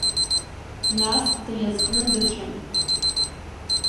Нас дӷьазкны дыцәон.